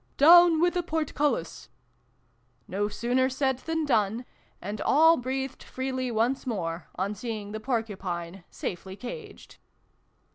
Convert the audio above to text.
" Down with the portcullis !" No sooner said than done : and all breathed freely once more, on seeing the Porcupine safely caged.